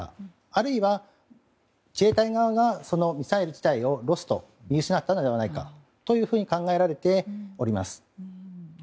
あるいは自衛隊側がそのミサイル自体をロスト見失ったのではないかと考えられております。